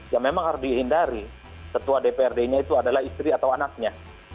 ya memang harus dihindari ketua dprd nya itu adalah istri atau anaknya